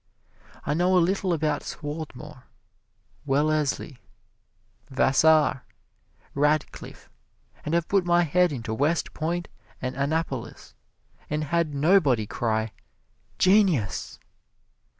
I know a little about Swarthmore, Wellesley, Vassar, Radcliffe, and have put my head into West Point and Annapolis, and had nobody cry, "Genius!"